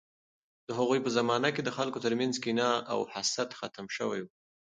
د هغوی په زمانه کې د خلکو ترمنځ کینه او حسد ختم شوی و.